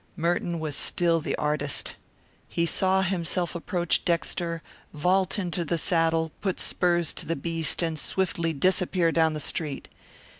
Merton was still the artist. He saw himself approach Dexter, vault into the saddle, put spurs to the beast, and swiftly disappear down the street.